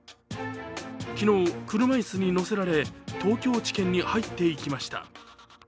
昨日、車椅子に乗せられ東京地検に入っていきました。